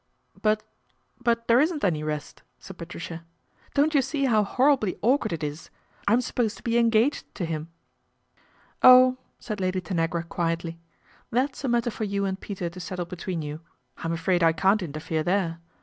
" But but there isn't any rest," said Patricia. " Don't you see how horribly awkward it is ? I'm supposed to be engaged to him." " Oh !" said Lady Tanagra quietly, " that's a matter for you and Peter to settle between you. I'm afraid I can't interfere there.